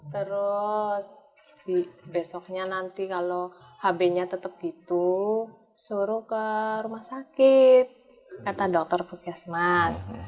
terus besoknya nanti kalau hb nya tetap gitu suruh ke rumah sakit kata dokter puskesmas